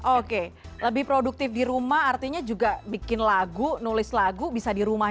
oke lebih produktif di rumah artinya juga bikin lagu nulis lagu bisa di rumah